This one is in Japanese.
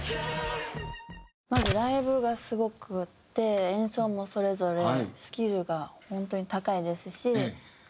まずライブがすごくって演奏もそれぞれスキルが本当に高いですし。